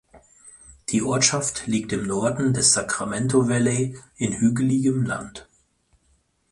Die Ortschaft liegt im Norden des Sacramento Valley in hügeligem Land.